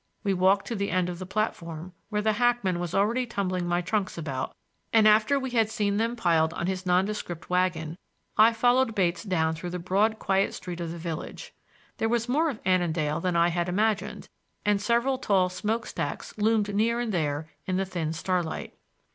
We walked to the end of the platform, where the hackman was already tumbling my trunks about, and after we had seen them piled upon his nondescript wagon, I followed Bates down through the broad quiet street of the village. There was more of Annandale than I had imagined, and several tall smoke stacks loomed here and there in the thin starlight.